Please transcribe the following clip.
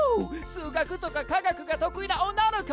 数学とか化学が得意な女の子！？